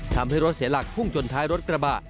ทำให้รถเสียหลักพุ่งชนท้ายรถกระบะ